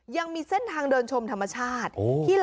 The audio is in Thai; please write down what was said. ยังมีเส้นทางเดินชมธรรมชาติ